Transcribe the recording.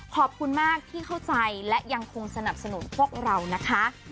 ขอบคุณมากที่เข้าใจและยังคงสนับสนุนพวกเรานะคะ